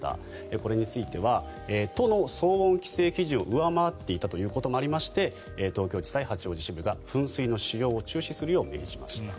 これについては都の騒音規制基準を上回っていたこともありまして東京地裁八王子支部が噴水の使用を中止するよう命じました。